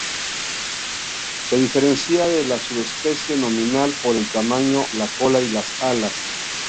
Se diferencia de la subespecie nominal por el tamaño la cola y las alas.